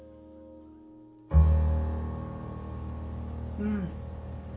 うん。